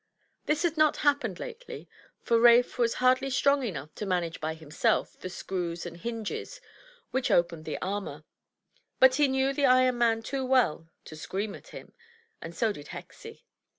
This had not happened lately, for Rafe was hardly strong enough to manage by himself the screws and hinges which opened the armor; but he knew the iron man too well to scream at him, and so did Hexie.